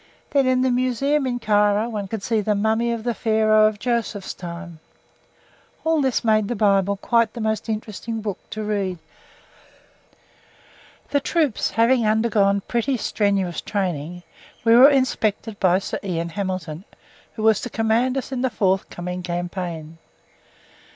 Then in the museum in Cairo one could see the mummy of the Pharaoh of Joseph's time. All this made the Bible quite the most interesting book to read. The troops having undergone pretty strenuous training, we were inspected by Sir Ian Hamilton, who was to command us in the forthcoming campaign.